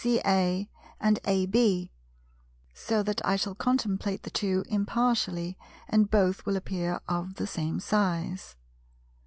CA and AB), so that I shall contemplate the two impartially, and both will appear of the same size.